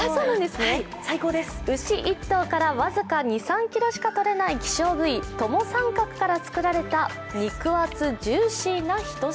牛１頭から僅か２３ｋｇしか取れない希少部位、トモサンカクから作られた肉厚ジューシーな一品。